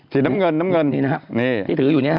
สีน้ำเงินน้ำเงินนี่นะครับที่ถืออยู่เนี่ยฮ